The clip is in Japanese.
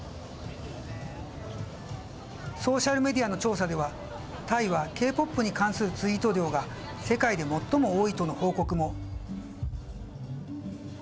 ソーシャルメディアの調査ではタイはＫ‐ＰＯＰに関するツイート量が世界で最も多いとの報告も。